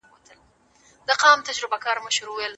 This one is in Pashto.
سبا به یې نه تکراروم.